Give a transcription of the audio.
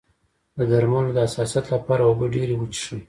د درملو د حساسیت لپاره اوبه ډیرې وڅښئ